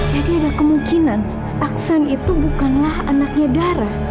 jadi ada kemungkinan aksan itu bukanlah anaknya dara